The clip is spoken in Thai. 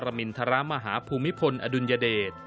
มินทรมาฮาภูมิพลอดุลยเดช